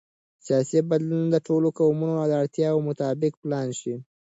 سیاسي بدلون د ټولو قومونو د اړتیاوو مطابق پلان شي